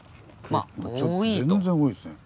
全然多いですね。